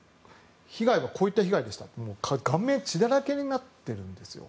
被害はこういった被害でしたって顔面が血だらけになっているんですよ。